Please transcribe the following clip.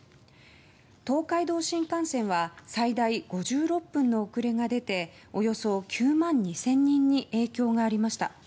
東海道新幹線は最大５６分の遅れが出ておよそ９万２０００人に影響がありました。